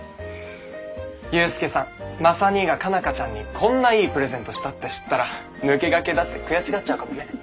勇介さんマサ兄が佳奈花ちゃんにこんないいプレゼントしたって知ったら抜け駆けだって悔しがっちゃうかもね。